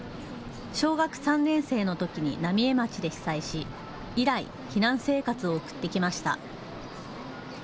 小学３年生のときに浪江町で被災し以来、避難生活を送ってきました。